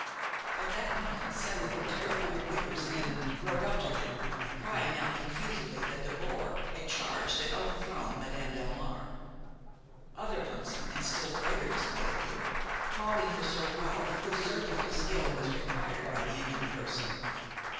At that moment several terrified whippers in rode up to them, crying out confusedly that the boar had charged and overthrown Madame Delmare. Other huntsmen, in still greater dismay, appeared, calling for Sir Ralph whose surgical skill was required by the injured person.